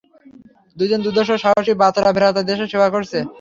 দুইজন দুর্ধর্ষ, সাহসী বাতরা ভ্রাতা দেশের সেবা করছে।